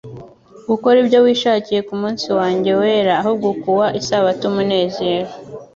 gukora ibyo wishakiye ku munsi wanjye wera, ahubwo ukua isabato umunezero,